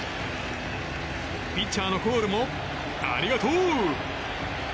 ピッチャーのコールもありがとう！